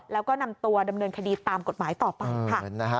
แล้วก็นำตัวดำเนินคดีตามกฎหมายต่อไปค่ะ